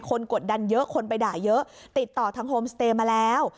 กดดันเยอะคนไปด่าเยอะติดต่อทางโฮมสเตย์มาแล้ว